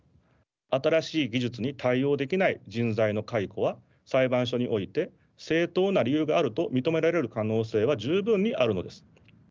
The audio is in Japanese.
新しい技術に対応できない人材の解雇は裁判所において正当な理由があると認められる可能性は十分にあるのです。